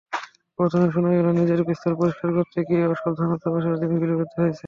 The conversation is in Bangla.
প্রথমে শোনা গেল, নিজের পিস্তল পরিষ্কার করতে গিয়ে অসাবধানতাবশত তিনি গুলিবিদ্ধ হয়েছেন।